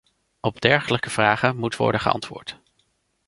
Op dergelijke vragen moet worden geantwoord.